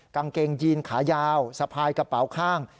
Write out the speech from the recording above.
กางเกงยีนขายาวสะพายกระเป๋าข้าง